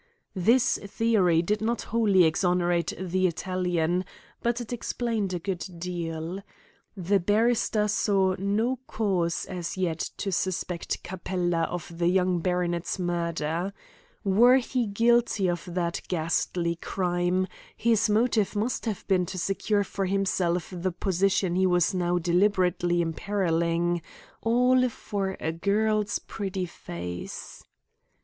This theory did not wholly exonerate the Italian, but it explained a good deal. The barrister saw no cause as yet to suspect Capella of the young baronet's murder. Were he guilty of that ghastly crime, his motive must have been to secure for himself the position he was now deliberately imperilling all for a girl's pretty face.